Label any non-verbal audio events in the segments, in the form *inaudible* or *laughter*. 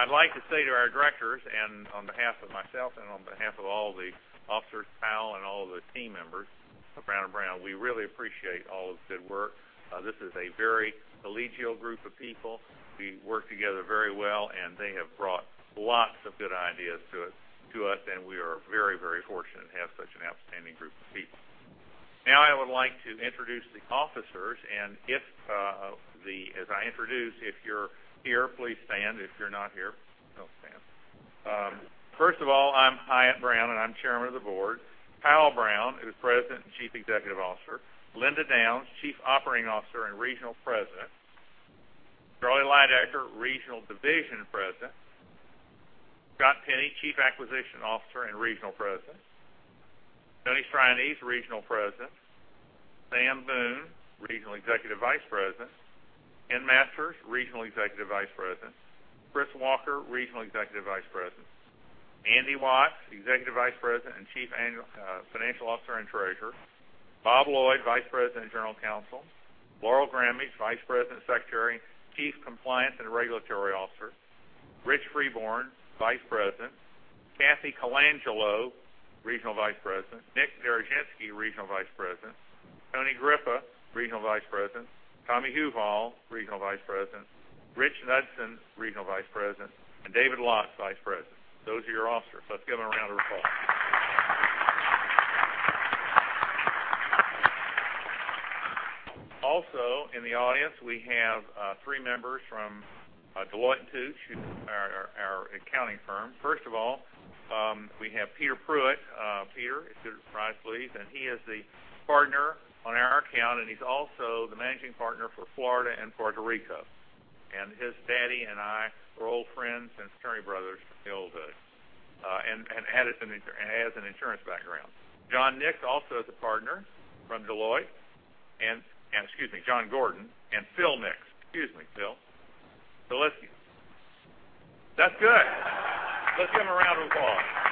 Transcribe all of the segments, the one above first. I'd like to say to our directors, on behalf of myself and on behalf of all the officers, Powell, and all of the team members of Brown & Brown, we really appreciate all the good work. This is a very collegial group of people. We work together very well, and they have brought lots of good ideas to us. We are very, very fortunate to have such an outstanding group of people. Now I would like to introduce the officers, and as I introduce, if you're here, please stand. If you're not here, don't stand. First of all, I'm Hyatt Brown, and I'm Chairman of the Board. Powell Brown, who is President and Chief Executive Officer. Linda Downs, Chief Operating Officer and Regional President. Charlie Leidecker, Regional Division President. Scott Penny, Chief Acquisition Officer and Regional President. Tony Cernia, Regional President. Sam Boone, Regional Executive Vice President. Ken Masters, Regional Executive Vice President. Chris Walker, Regional Executive Vice President. Andy Watts, Executive Vice President and Chief Financial Officer and Treasurer. Bob Lloyd, Vice President and General Counsel. Laurel Grammig, Vice President, Secretary, Chief Compliance and Regulatory Officer. Rich Freeborn, Vice President. Cathy Colangelo, Regional Vice President. Nick Peraginski, Regional Vice President. Tony Grippa, Regional Vice President. Tommy Huval, Regional Vice President. Rich Hudson, Regional Vice President, and David Lott, Vice President. Those are your officers. Let's give them a round of applause. Also in the audience, we have three members from Deloitte & Touche, who are our accounting firm. First of all, we have Peter Pruitt. Peter, if you would rise, please. He is the partner on our account, and he's also the managing partner for Florida and Puerto Rico. His daddy and I are old friends and fraternity brothers from the old days, and has an insurance background. John Nix also is a partner from Deloitte. Excuse me, John Gordon. Phil Nix. Excuse me, Phil. That's good. Let's give him a round of applause.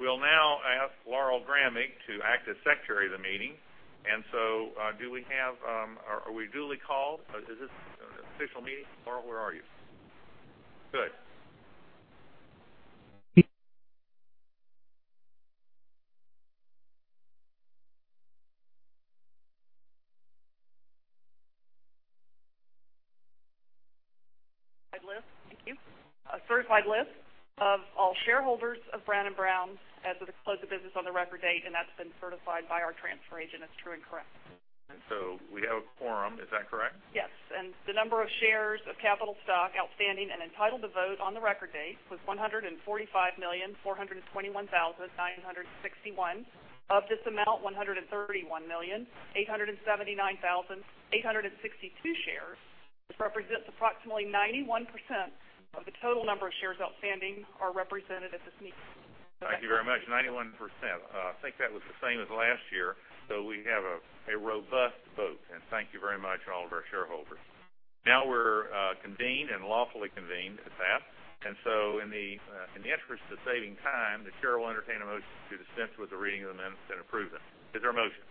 We'll now ask Laurel Grammig to act as secretary of the meeting. Are we duly called? Is this an official meeting? Laurel, where are you? Good. Thank you. A certified list of all shareholders of Brown & Brown as of the close of business on the record date, that's been certified by our transfer agent as true and correct. We have a quorum. Is that correct? Yes. The number of shares of capital stock outstanding and entitled to vote on the record date was 145,421,961. Of this amount, 131,879,862 shares, which represents approximately 91% of the total number of shares outstanding, are represented at this meeting. Thank you very much. 91%. I think that was the same as last year, so we have a robust vote. Thank you very much to all of our shareholders. Now we're convened and lawfully convened at that. In the interest of saving time, the chair will entertain a motion to dispense with the reading of the minutes and approve them. Is there a motion?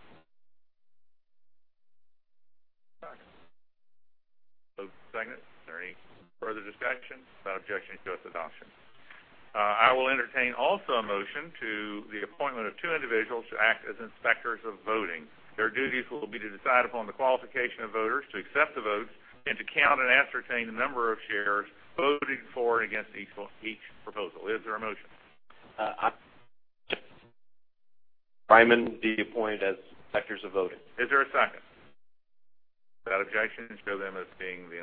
Second. Move second. Is there any further discussion? Without objection, show its adoption. I will entertain also a motion to the appointment of two individuals to act as inspectors of voting. Their duties will be to decide upon the qualification of voters, to accept the votes, and to count and ascertain the number of shares voting for and against each proposal. Is there a motion? I, *inaudible* be appointed as inspectors of voting. Is there a second? Without objection, show them as being the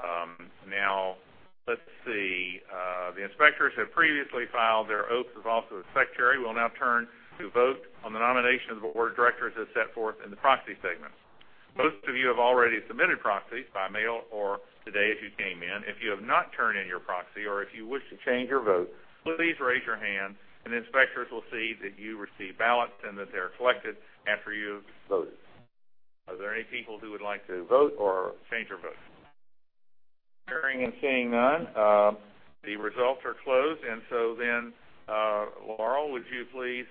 inspector. Let's see. The inspectors have previously filed their oaths as also the secretary. We'll now turn to vote on the nomination of the board of directors as set forth in the proxy statement. Most of you have already submitted proxies by mail or today if you came in. If you have not turned in your proxy or if you wish to change your vote, please raise your hand and the inspectors will see that you receive ballots and that they are collected after you've voted. Are there any people who would like to vote or change their vote? Hearing and seeing none, the results are closed. Laurel, would you please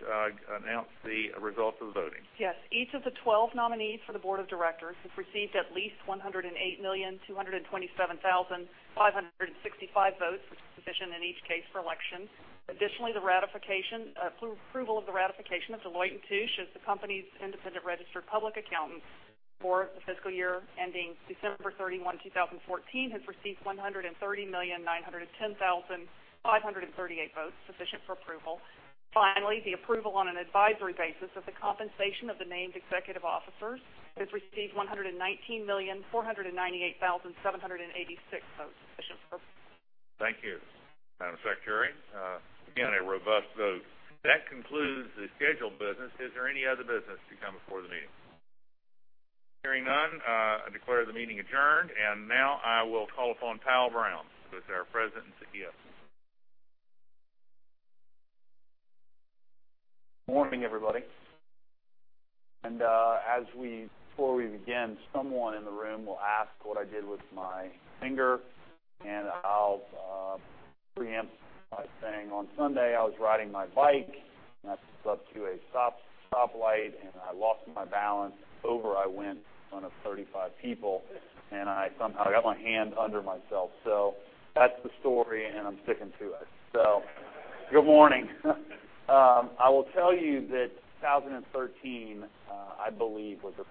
announce the results of the voting? Yes. Each of the 12 nominees for the board of directors has received at least 108,227,565 votes, which is sufficient in each case for election. Additionally, the approval of the ratification of Deloitte & Touche as the company's independent registered public accountant for the fiscal year ending December 31, 2014, has received 130,910,538 votes, sufficient for approval. Finally, the approval on an advisory basis of the compensation of the named executive officers has received 119,498,786 votes, sufficient for approval. Thank you, Madam Secretary. Again, a robust vote. That concludes the scheduled business. Is there any other business to come before the meeting? Hearing none, I declare the meeting adjourned. Now I will call upon Powell Brown, who is our president, to give us. Morning, everybody. Before we begin, someone in the room will ask what I did with my finger I'll preempt by saying, on Sunday I was riding my bike and I pulled up to a stoplight and I lost my balance. Over I went in front of 35 people, I somehow got my hand under myself. That's the story and I'm sticking to it. Good morning. I will tell you that 2013, I believe was a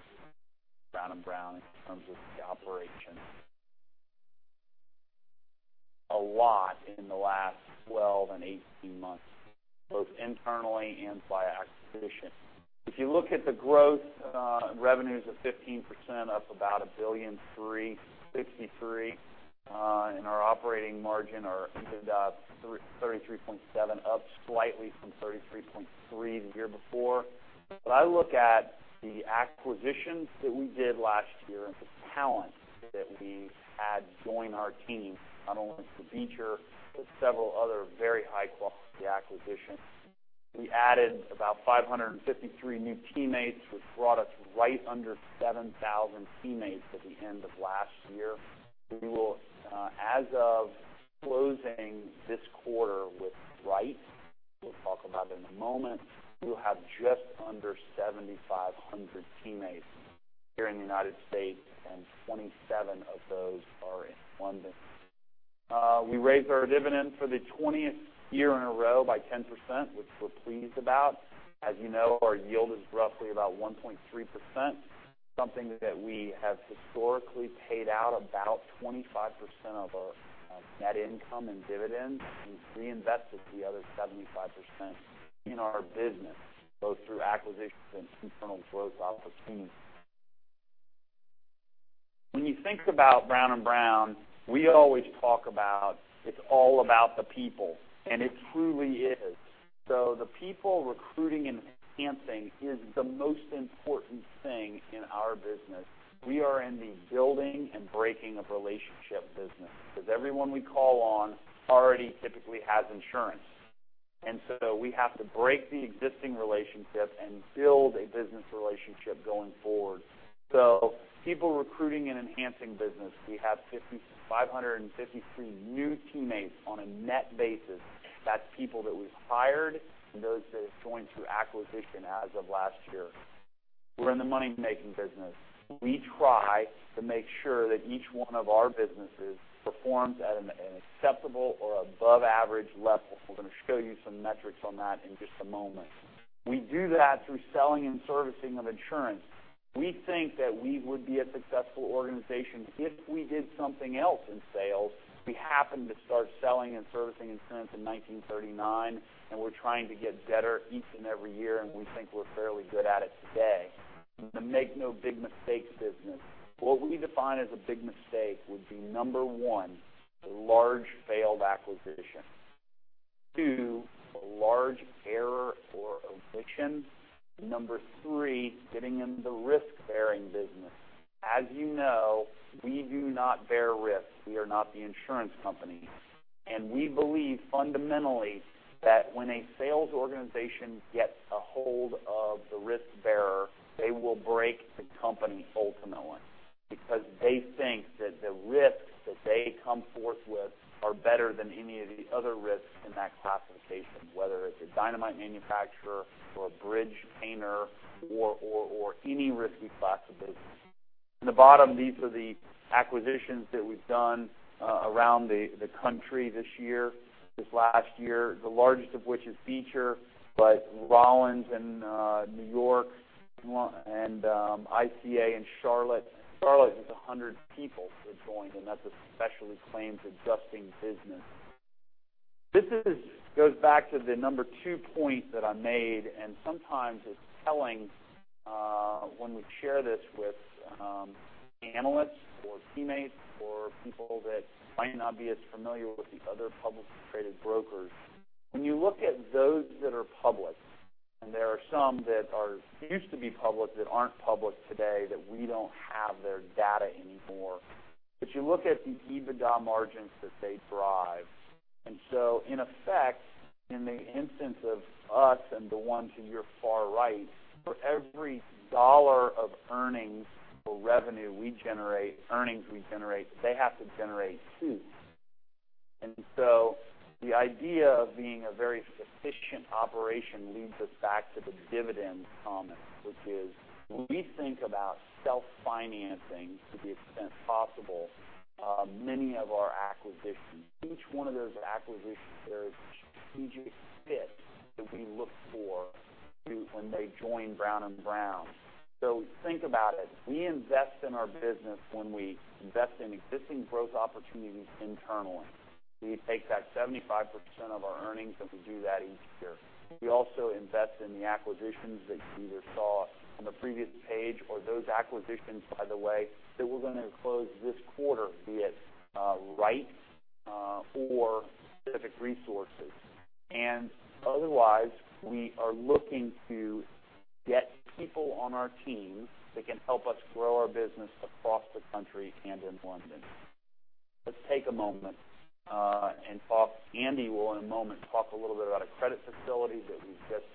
Andy will, in a moment, talk a little bit about a credit facility that we've just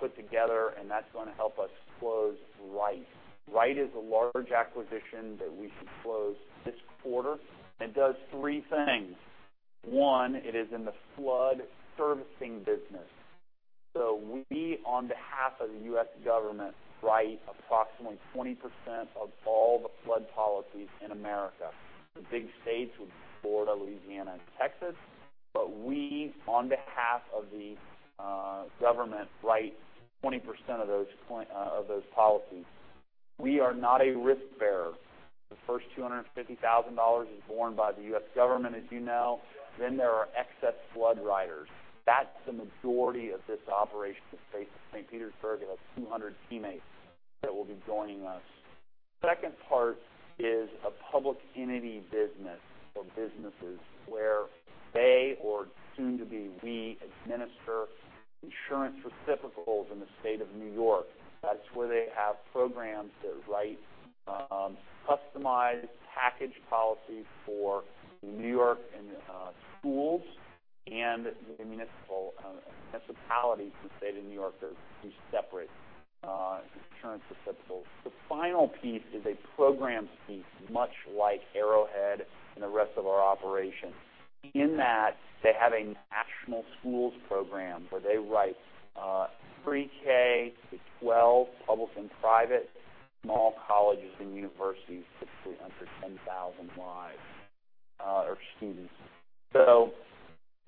put together, and that's going to help us close Wright. Wright is a large acquisition that we should close this quarter, and it does three things. One, it is in the flood servicing business. We, on behalf of the U.S. government, write approximately 20% of all the flood policies in America. The big states would be Florida, Louisiana, and Texas, we, on behalf of the government, write 20% of those policies. We are not a risk bearer. The first $250,000 is borne by the U.S. government, as you know. Then there are excess flood riders. That's the majority of this operation is based in St. Petersburg. It has 200 teammates that will be joining us. Second part is a public entity business or businesses where they, or soon to be we, administer insurance reciprocals in the state of New York. That's where they have programs that write customized package policies for New York and schools and municipalities in the state of New York through separate insurance reciprocals. The final piece is a program piece, much like Arrowhead and the rest of our operations. In that, they have a national schools program where they write Pre-K to 12 public and private, small colleges and universities, typically under 10,000 lives or students.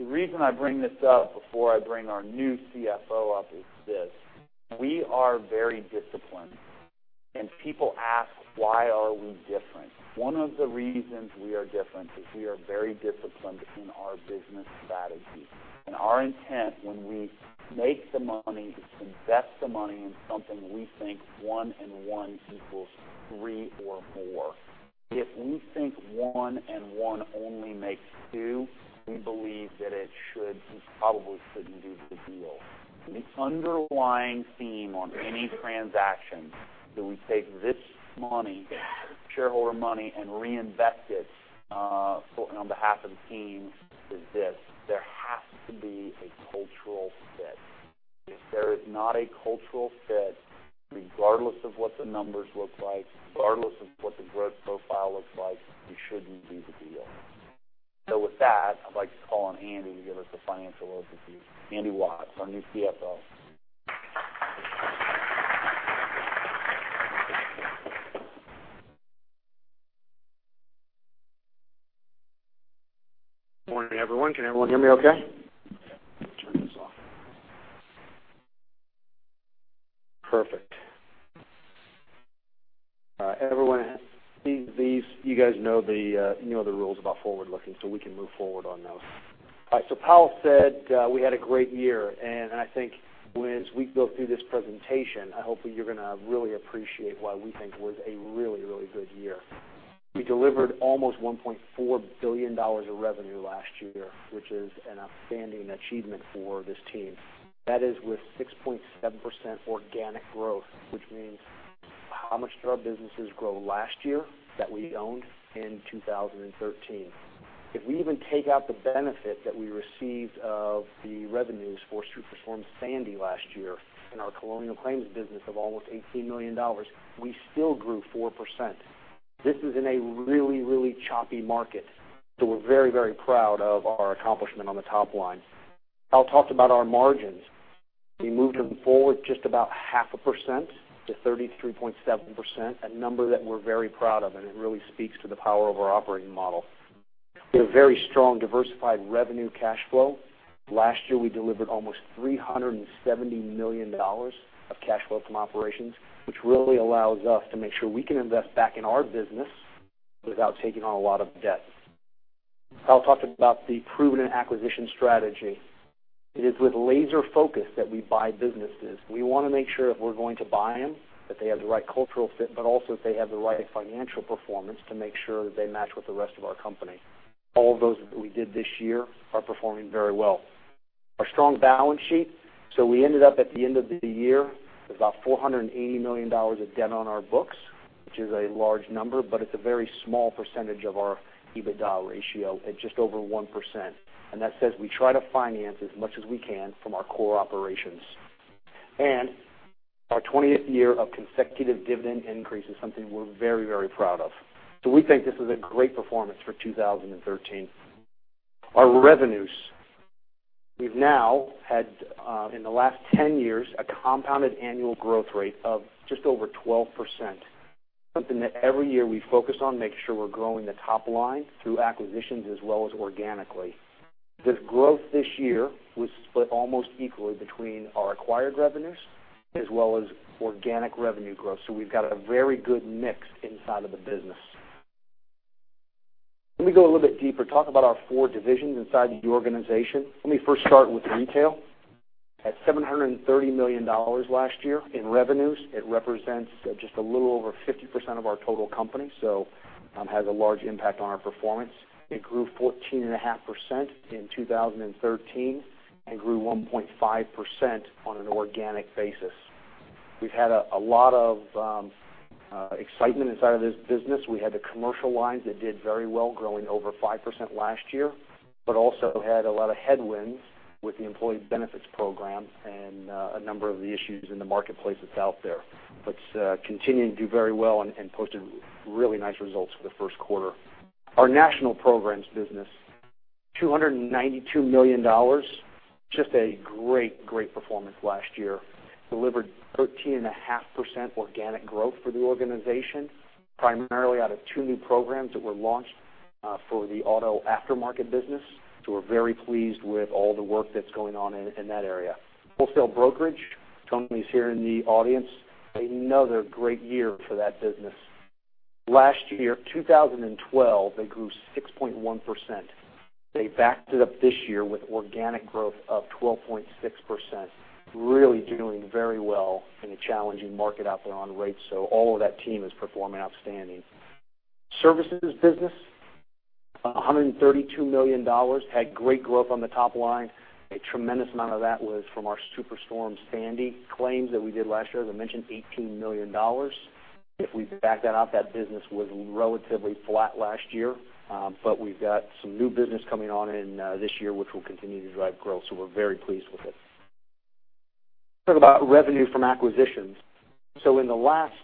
The reason I bring this up before I bring our new CFO up is this, we are very disciplined and people ask why are we different? One of the reasons we are different is we are very disciplined in our business strategy and our intent when we make the money is to invest the money in something we think one and one equals three or more. If we think one and one only makes two, we believe that we probably shouldn't do the deal. The underlying theme on any transaction that we take this money, shareholder money, and reinvest it on behalf of the team is this, there has to be a cultural fit. If there is not a cultural fit, regardless of what the numbers look like, regardless of what the growth profile looks like, we shouldn't do the deal. With that, I'd like to call on Andy to give us a financial overview. Andy Watts, our new CFO. Morning, everyone. Can everyone hear me okay? Turn this off. Perfect. Everyone, you guys know the rules about forward-looking, we can move forward on those. Powell said we had a great year, and I think as we go through this presentation, I hope that you're going to really appreciate why we think it was a really, really good year. We delivered almost $1.4 billion of revenue last year, which is an outstanding achievement for this team. That is with 6.7% organic growth, which means how much did our businesses grow last year that we owned in 2013? If we even take out the benefit that we received of the revenues for Superstorm Sandy last year in our Colonial Claims business of almost $18 million, we still grew 4%. This is in a really choppy market. We're very proud of our accomplishment on the top line. Powell talked about our margins. We moved them forward just about half a percent to 33.7%, a number that we're very proud of, and it really speaks to the power of our operating model. We have very strong diversified revenue cash flow. Last year, we delivered almost $370 million of cash flow from operations, which really allows us to make sure we can invest back in our business without taking on a lot of debt. Powell talked about the proven acquisition strategy. It is with laser focus that we buy businesses. We want to make sure if we're going to buy them, that they have the right cultural fit, but also that they have the right financial performance to make sure that they match with the rest of our company. All of those that we did this year are performing very well. Our strong balance sheet. We ended up at the end of the year with about $480 million of debt on our books, which is a large number, but it's a very small percentage of our EBITDA ratio at just over 1%. That says we try to finance as much as we can from our core operations. Our 20th year of consecutive dividend increase is something we're very proud of. We think this is a great performance for 2013. Our revenues. We've now had, in the last 10 years, a compounded annual growth rate of just over 12%, something that every year we focus on making sure we're growing the top line through acquisitions as well as organically. This growth this year was split almost equally between our acquired revenues as well as organic revenue growth. We've got a very good mix inside of the business. Let me go a little bit deeper, talk about our four divisions inside the organization. Let me first start with retail. At $730 million last year in revenues, it represents just a little over 50% of our total company, so has a large impact on our performance. It grew 14.5% in 2013 and grew 1.5% on an organic basis. We've had a lot of excitement inside of this business. We had the commercial lines that did very well, growing over 5% last year, but also had a lot of headwinds with the employee benefits program and a number of the issues in the marketplace that's out there. Continuing to do very well and posted really nice results for the first quarter. Our National Programs business, $292 million. Just a great performance last year. Delivered 13.5% organic growth for the organization, primarily out of two new programs that were launched for the auto aftermarket business. We're very pleased with all the work that's going on in that area. Wholesale brokerage. Tony's here in the audience. Another great year for that business. Last year, 2012, they grew 6.1%. They backed it up this year with organic growth of 12.6%. Really doing very well in a challenging market out there on rates. All of that team is performing outstanding. Services business, $132 million. Had great growth on the top line. A tremendous amount of that was from our Superstorm Sandy claims that we did last year. As I mentioned, $18 million. If we back that out, that business was relatively flat last year. We've got some new business coming on in this year, which will continue to drive growth. We're very pleased with it. Talk about revenue from acquisitions. In the last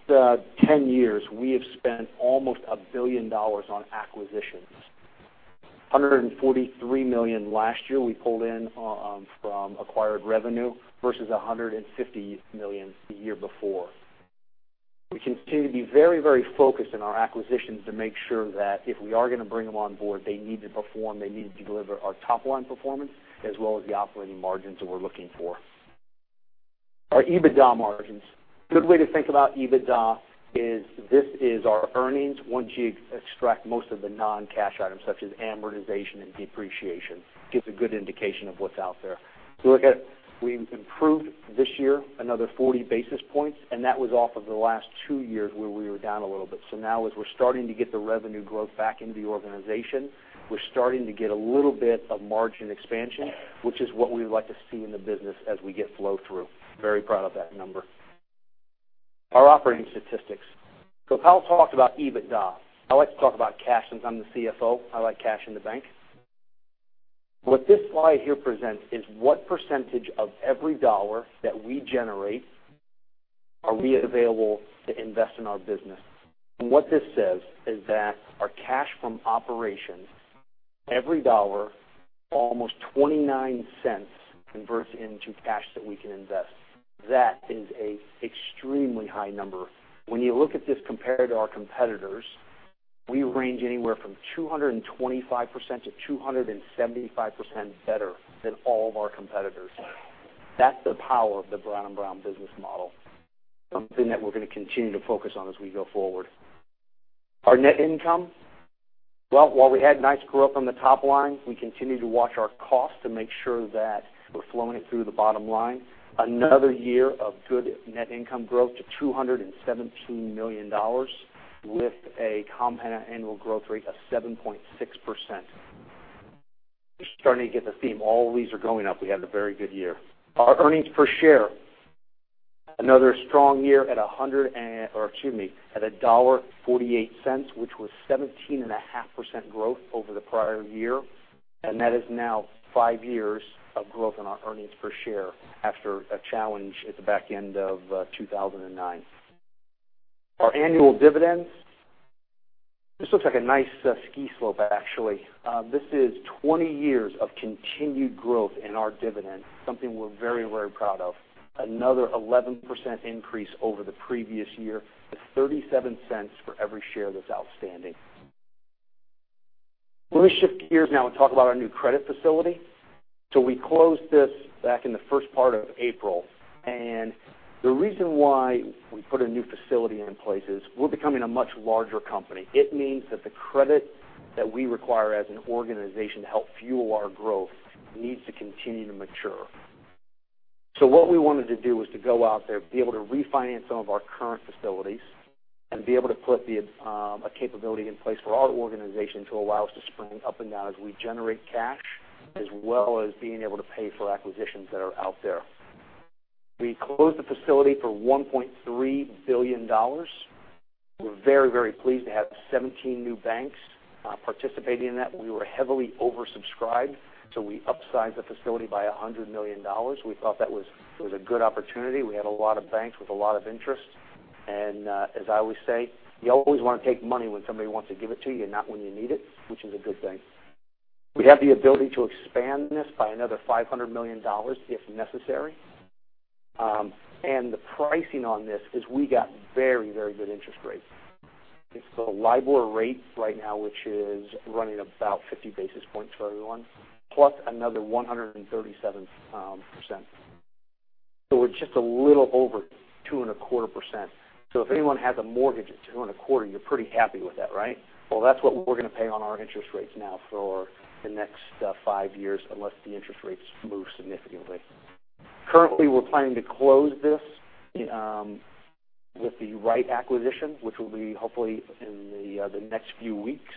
10 years, we have spent almost a billion dollars on acquisitions. $143 million last year we pulled in from acquired revenue versus $150 million the year before. We continue to be very focused on our acquisitions to make sure that if we are going to bring them on board, they need to perform, they need to deliver our top-line performance, as well as the operating margins that we're looking for. Our EBITDA margins. Good way to think about EBITDA is this is our earnings once you extract most of the non-cash items such as amortization and depreciation. Gives a good indication of what's out there. If you look at it, we improved this year another 40 basis points, and that was off of the last two years, where we were down a little bit. Now as we're starting to get the revenue growth back into the organization, we're starting to get a little bit of margin expansion, which is what we like to see in the business as we get flow-through. Very proud of that number. Our operating statistics. Powell talked about EBITDA. I like to talk about cash since I'm the CFO. I like cash in the bank. What this slide here presents is what percentage of every dollar that we generate are available to invest in our business. What this says is that our cash from operations, every dollar, almost $0.29 converts into cash that we can invest. That is a extremely high number. When you look at this compared to our competitors, we range anywhere from 225%-275% better than all of our competitors. That's the power of the Brown & Brown business model. Something that we're going to continue to focus on as we go forward. Our net income. While we had nice growth on the top line, we continue to watch our costs to make sure that we're flowing it through the bottom line. Another year of good net income growth to $217 million, with a compounded annual growth rate of 7.6%. You're starting to get the theme. All these are going up. We had a very good year. Our earnings per share, another strong year at $1.48, which was 17.5% growth over the prior year, and that is now five years of growth in our earnings per share after a challenge at the back end of 2009. Our annual dividends. This looks like a nice ski slope, actually. This is 20 years of continued growth in our dividend, something we're very proud of. Another 11% increase over the previous year to $0.37 for every share that's outstanding. Let me shift gears now and talk about our new credit facility. We closed this back in the first part of April. The reason why we put a new facility in place is we're becoming a much larger company. It means that the credit that we require as an organization to help fuel our growth needs to continue to mature. What we wanted to do was to go out there, be able to refinance some of our current facilities, and be able to put a capability in place for our organization to allow us to swing up and down as we generate cash, as well as being able to pay for acquisitions that are out there. We closed the facility for $1.3 billion. We're very pleased to have 17 new banks participating in that. We were heavily oversubscribed, we upsized the facility by $100 million. We thought that was a good opportunity. We had a lot of banks with a lot of interest. As I always say, you always want to take money when somebody wants to give it to you, not when you need it, which is a good thing. We have the ability to expand this by another $500 million if necessary. The pricing on this is we got very good interest rate. It's the LIBOR rate right now, which is running about 50 basis points for everyone, plus another 137%. We're just a little over 2.25%. If anyone has a mortgage at 2.25%, you're pretty happy with that, right? That's what we're going to pay on our interest rates now for the next five years, unless the interest rates move significantly. Currently, we're planning to close this with the right acquisition, which will be hopefully in the next few weeks,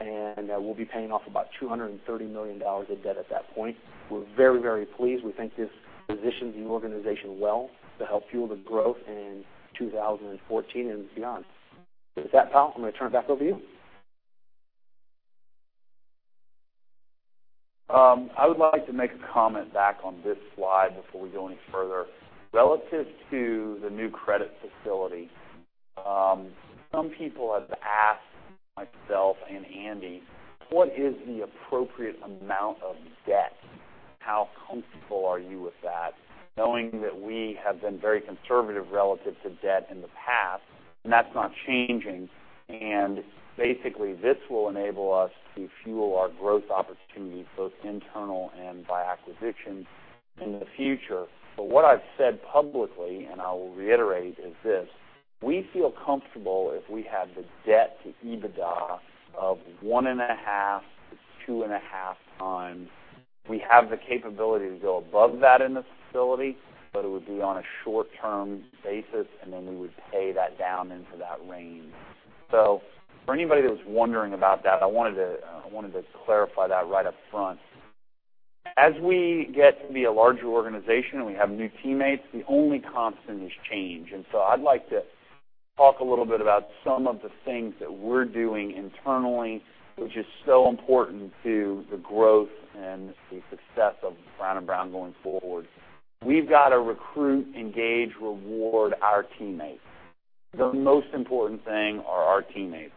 and we'll be paying off about $230 million of debt at that point. We're very, very pleased. We think this positions the organization well to help fuel the growth in 2014 and beyond. With that, Powell, I'm going to turn it back over to you. I would like to make a comment back on this slide before we go any further. Relative to the new credit facility, some people have asked myself and Andy, what is the appropriate amount of debt? How comfortable are you with that, knowing that we have been very conservative relative to debt in the past, and that's not changing. Basically, this will enable us to fuel our growth opportunities, both internal and by acquisition in the future. What I've said publicly, and I will reiterate, is this. We feel comfortable if we have the debt to EBITDA of 1.5x-2.5x. We have the capability to go above that in this facility, but it would be on a short-term basis, and we would pay that down into that range. For anybody that was wondering about that, I wanted to clarify that right up front. As we get to be a larger organization and we have new teammates, the only constant is change. I'd like to talk a little bit about some of the things that we're doing internally, which is so important to the growth and the success of Brown & Brown going forward. We've got to recruit, engage, reward our teammates. The most important thing are our teammates.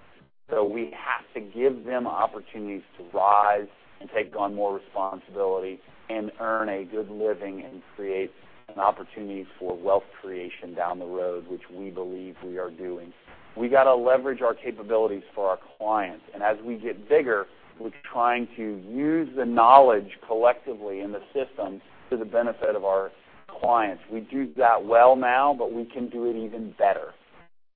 We have to give them opportunities to rise and take on more responsibility and earn a good living and create an opportunity for wealth creation down the road, which we believe we are doing. We got to leverage our capabilities for our clients. As we get bigger, we're trying to use the knowledge collectively in the systems to the benefit of our clients. We do that well now, but we can do it even better.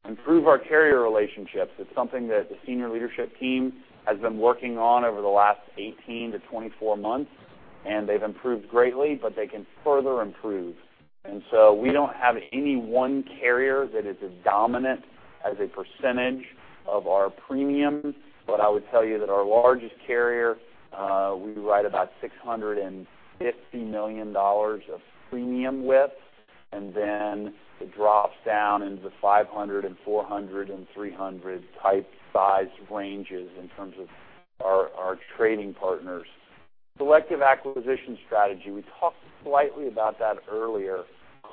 Improve our carrier relationships. It's something that the senior leadership team has been working on over the last 18-24 months, and they've improved greatly, but they can further improve. We don't have any one carrier that is as dominant as a percentage of our premium. I would tell you that our largest carrier, we write about $650 million of premium width, and then it drops down into the 500 and 400 and 300 type size ranges in terms of our trading partners. Selective acquisition strategy. We talked slightly about that earlier.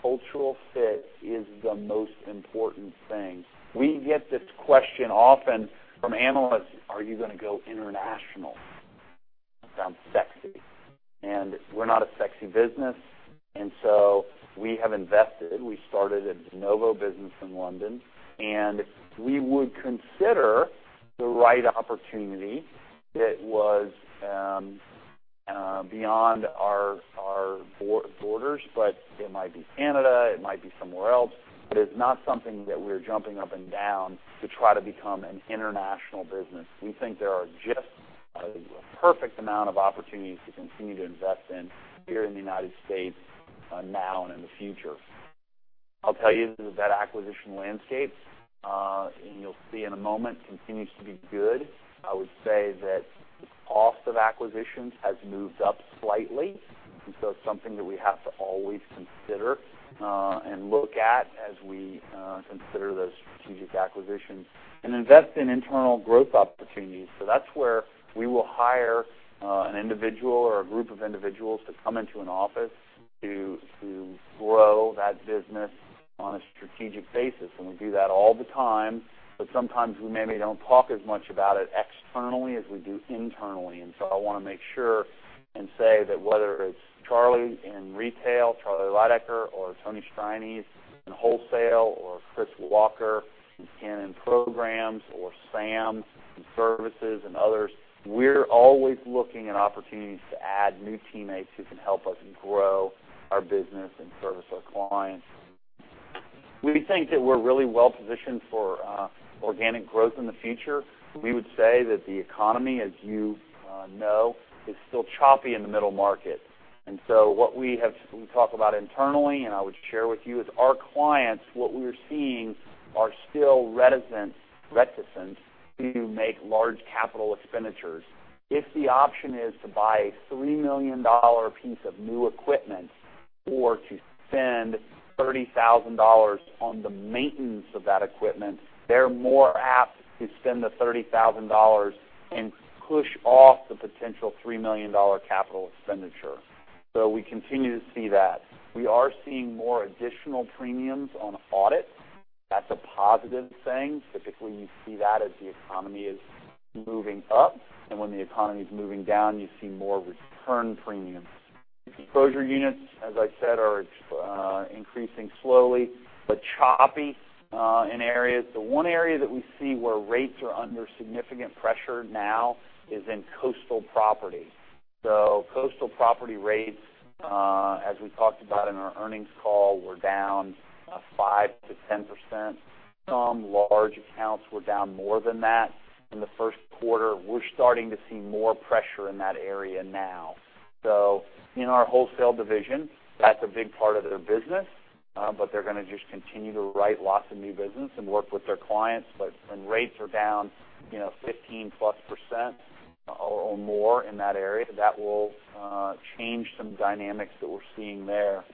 Cultural fit is the most important thing. We get this question often from analysts, are you going to go international? It sounds sexy. We're not a sexy business. We have invested. We started a de novo business in London. We would consider the right opportunity that was beyond our borders, but it might be Canada, it might be somewhere else. It's not something that we're jumping up and down to try to become an international business. We think there are just a perfect amount of opportunities to continue to invest in here in the United States now and in the future. I'll tell you that acquisition landscape, and you'll see in a moment, continues to be good. I would say that the cost of acquisitions has moved up slightly. It's something that we have to always consider and look at as we consider those strategic acquisitions. Invest in internal growth opportunities. That's where we will hire an individual or a group of individuals to come into an office to grow that business on a strategic basis. We do that all the time, but sometimes we maybe don't talk as much about it externally as we do internally. I want to make sure and say that whether it's Charlie in retail, Charlie Leidecker, or Tony Strianese in wholesale, or Chris Walker in National Programs, or Sam in services, and others, we're always looking at opportunities to add new teammates who can help us grow our business and service our clients. We think that we're really well positioned for organic growth in the future. We would say that the economy, as you know, is still choppy in the middle market. What we talk about internally, and I would share with you, is our clients, what we're seeing, are still reticent to make large capital expenditures. If the option is to buy a $3 million piece of new equipment or to spend $30,000 on the maintenance of that equipment, they're more apt to spend the $30,000 and push off the potential $3 million capital expenditure. We continue to see that. We are seeing more additional premiums on audit. That's a positive thing. Typically, you see that as the economy is moving up. When the economy is moving down, you see more return premiums. Exposure units, as I said, are increasing slowly, but choppy in areas. The one area that we see where rates are under significant pressure now is in coastal property. Coastal property rates, as we talked about in our earnings call, were down 5%-10%. Some large accounts were down more than that in the first quarter. We're starting to see more pressure in that area now. In our wholesale division, that's a big part of their business, but they're going to just continue to write lots of new business and work with their clients. When rates are down 15-plus percent or more in that area, that will change some dynamics that we're seeing there.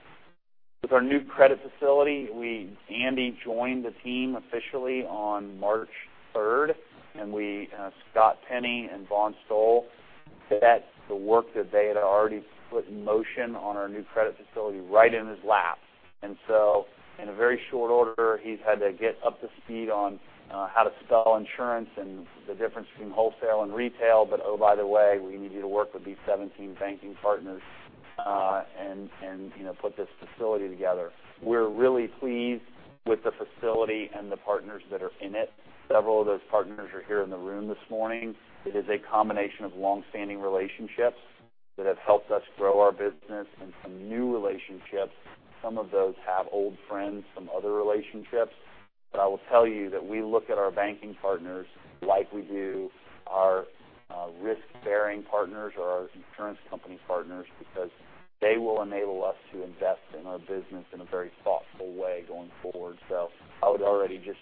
With our new credit facility, Andy joined the team officially on March 3rd, and Scott Penny and Vaughn Stoll set the work that they had already put in motion on our new credit facility right in his lap. In a very short order, he's had to get up to speed on how to sell insurance and the difference between wholesale and retail, but oh, by the way, we need you to work with these 17 banking partners and put this facility together. We're really pleased with the facility and the partners that are in it. Several of those partners are here in the room this morning. It is a combination of longstanding relationships that have helped us grow our business and some new relationships. Some of those have old friends from other relationships. I will tell you that we look at our banking partners like we do our risk-bearing partners or our insurance company partners because they will enable us to invest in our business in a very thoughtful way going forward. I would already just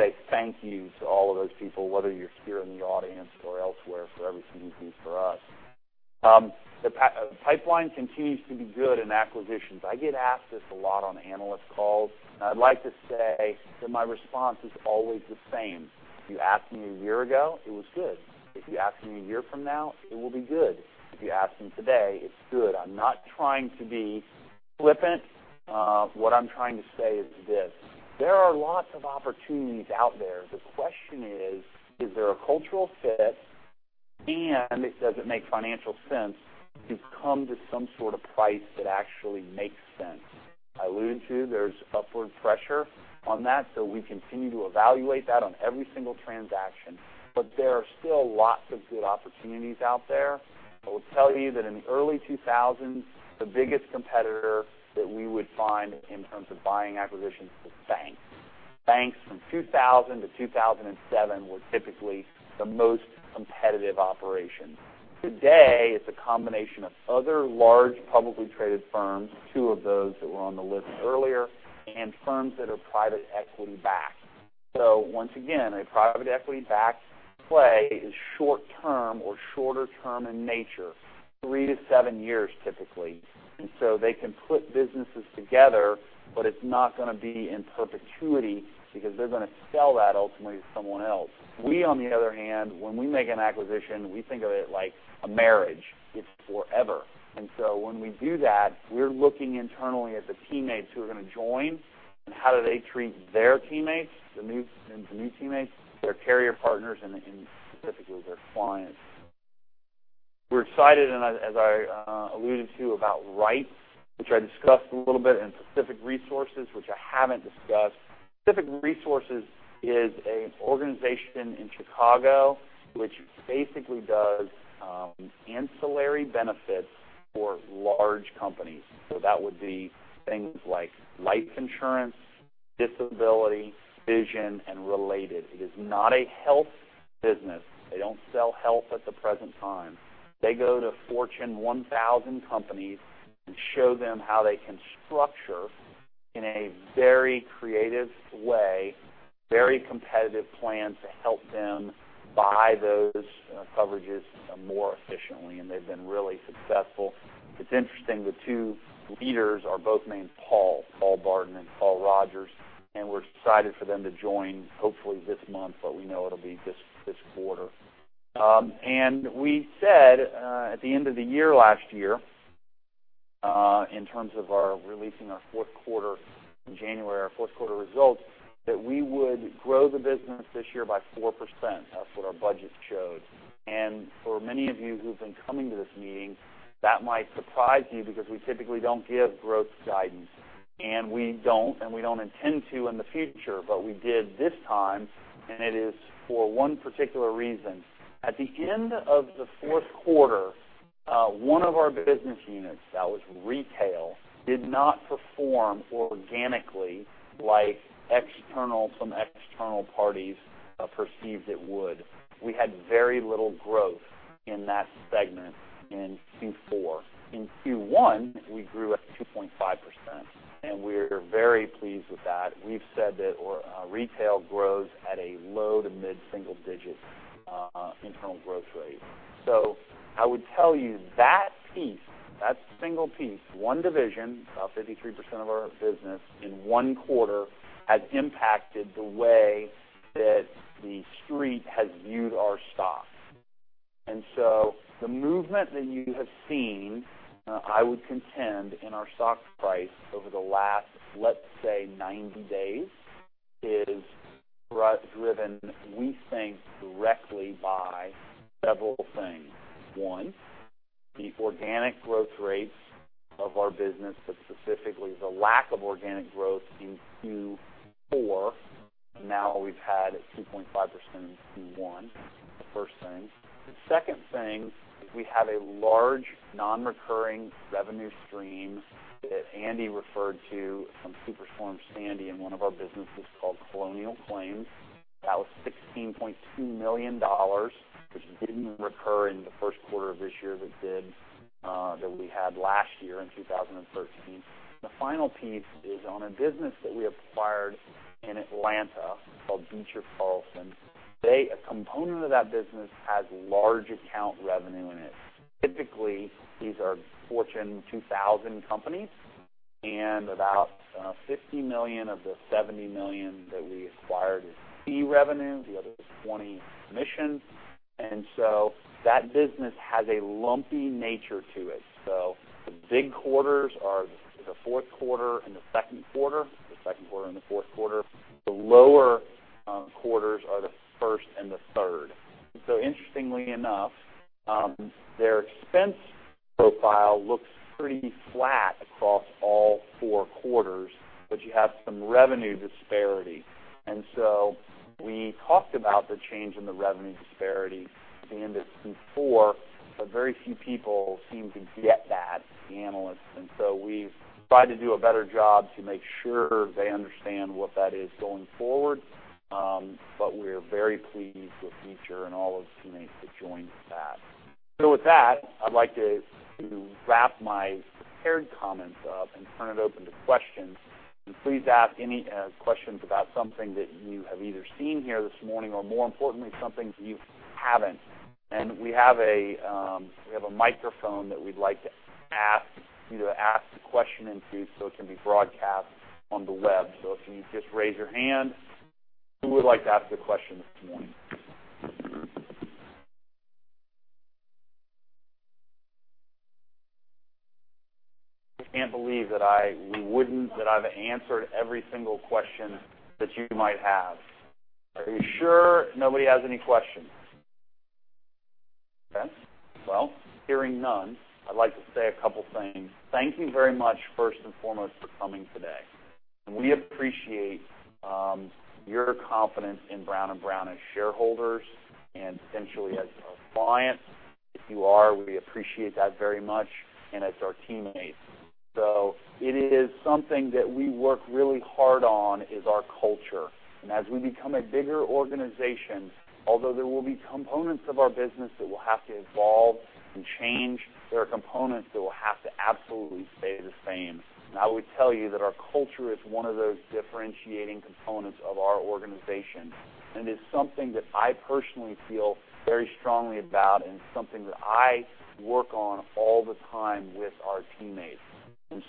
say thank you to all of those people, whether you're here in the audience or elsewhere, for everything you do for us. The pipeline continues to be good in acquisitions. I get asked this a lot on analyst calls, and I'd like to say that my response is always the same. If you asked me a year ago, it was good. If you ask me a year from now, it will be good. If you ask me today, it's good. I'm not trying to be flippant. What I'm trying to say is this, there are lots of opportunities out there. The question is there a cultural fit? Does it make financial sense to come to some sort of price that actually makes sense? I alluded to, there's upward pressure on that, we continue to evaluate that on every single transaction. There are still lots of good opportunities out there. I will tell you that in the early 2000s, the biggest competitor that we would find in terms of buying acquisitions was banks. Banks from 2000 to 2007 were typically the most competitive operation. Today, it's a combination of other large publicly traded firms, two of those that were on the list earlier, and firms that are private equity backed. Once again, a private equity-backed play is short-term or shorter term in nature, three to seven years typically. They can put businesses together, but it's not going to be in perpetuity because they're going to sell that ultimately to someone else. We, on the other hand, when we make an acquisition, we think of it like a marriage. It's forever. When we do that, we're looking internally at the teammates who are going to join and how do they treat their teammates, the new teammates, their carrier partners, and specifically their clients. We're excited, and as I alluded to about Wright, which I discussed a little bit, and Pacific Resources, which I haven't discussed. Pacific Resources is an organization in Chicago which basically does ancillary benefits for large companies. That would be things like life insurance, disability, vision, and related. It is not a health business. They don't sell health at the present time. They go to Fortune 1000 companies and show them how they can structure in a very creative way, very competitive plan to help them buy those coverages more efficiently, and they've been really successful. It's interesting, the two leaders are both named Paul Barden and Paul Rogers, and we're excited for them to join, hopefully this month, but we know it'll be this quarter. We said at the end of the year last year, in terms of our releasing our fourth quarter in January, our fourth quarter results, that we would grow the business this year by 4%. That's what our budget showed. For many of you who've been coming to this meeting, that might surprise you because we typically don't give growth guidance. We don't, and we don't intend to in the future, but we did this time, and it is for one particular reason. At the end of the fourth quarter, one of our business units, that was retail, did not perform organically like some external parties perceived it would. We had very little growth in that segment in Q4. In Q1, we grew at 2.5%, and we're very pleased with that. We've said that our retail grows at a low to mid-single digit internal growth rate. I would tell you that piece, that single piece, one division, about 53% of our business in one quarter, has impacted the way that the street has viewed our stock. The movement that you have seen, I would contend, in our stock price over the last, let's say, 90 days, is driven, we think, directly by several things. One, the organic growth rates of our business, but specifically the lack of organic growth in Q4. Now we've had 2.5% in Q1. The first thing. The second thing is we have a large non-recurring revenue stream that Andy referred to from Superstorm Sandy in one of our businesses called Colonial Claims. That was $16.2 million, which didn't recur in the first quarter of this year, that we had last year in 2013. The final piece is on a business that we acquired in Atlanta called Beecher Carlson. A component of that business has large account revenue in it. Typically, these are Fortune 2000 companies, and about $50 million of the $70 million that we acquired is fee revenue. The other 20% is commission. That business has a lumpy nature to it. The big quarters are the fourth quarter and the second quarter. The lower quarters are the first and the third. Interestingly enough, their expense profile looks pretty flat across all four quarters, but you have some revenue disparity. We talked about the change in the revenue disparity at the end of Q4, but very few people seem to get that, the analysts, we've tried to do a better job to make sure they understand what that is going forward. We're very pleased with Beecher and all those teammates that joined that. With that, I'd like to wrap my prepared comments up and turn it open to questions. Please ask any questions about something that you have either seen here this morning or more importantly, something you haven't. We have a microphone that we'd like you to ask the question into so it can be broadcast on the web. If you just raise your hand. Who would like to ask a question this morning? I can't believe that I've answered every single question that you might have. Are you sure nobody has any questions? Okay. Hearing none, I'd like to say a couple things. Thank you very much first and foremost for coming today. We appreciate your confidence in Brown & Brown as shareholders and potentially as our clients, if you are, we appreciate that very much, and as our teammates. It is something that we work really hard on is our culture. As we become a bigger organization, although there will be components of our business that will have to evolve and change, there are components that will have to absolutely stay the same. I would tell you that our culture is one of those differentiating components of our organization, and it's something that I personally feel very strongly about and something that I work on all the time with our teammates.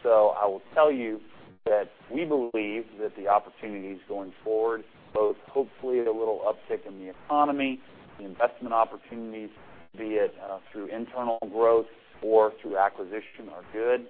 I will tell you that we believe that the opportunities going forward, both hopefully at a little uptick in the economy, the investment opportunities, be it through internal growth or through acquisition, are good.